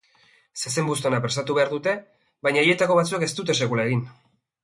Zezen-buztana prestatu behar dute, baina haietako batzuek ez dute sekula egin.